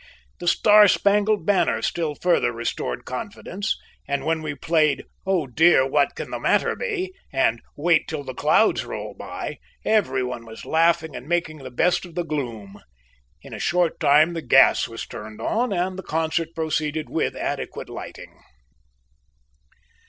"The Star Spangled Banner" still further restored confidence, and when we played "Oh Dear, What Can the Matter Be?" and "Wait Till The Clouds Roll By," every one was laughing and making the best of the gloom. In a short time the gas was turned on, and the concert proceeded with adequate lighting.